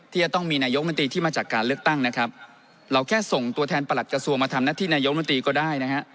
ที่จะต้องมีนายกมนตรีที่มาจากการเลือกตั้งนะครับเราแค่ส่งตัวแทนประหลัดกระทรวงมาทำหน้าที่นายกมนตรีก็ได้นะฮะ